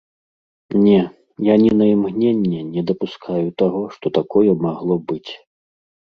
Не, я ні на імгненне не дапускаю таго, што такое магло быць.